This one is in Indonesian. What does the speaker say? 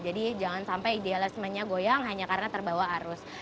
jadi jangan sampai idealismennya goyang hanya karena terbawa arus